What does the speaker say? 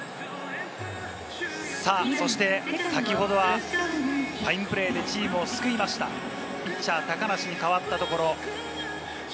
さぁそして先ほどはファインプレーでチームを救いました、ピッチャー・高梨に代わったところ。